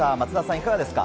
いかがですか？